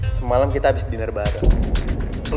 semalam kita habis dinner baru